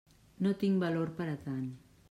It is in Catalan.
No tinc valor per a tant.